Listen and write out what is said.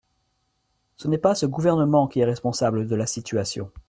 Ce n’est pas ce Gouvernement qui est responsable de la situation.